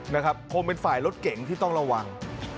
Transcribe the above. นะครับคงเป็นฝ่ายรถเก่งที่ต้องระวัง